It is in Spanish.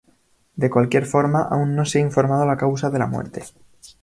De cualquier forma, aún no se ha informado la causa de la muerte.